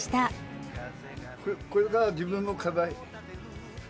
これから自分の課題。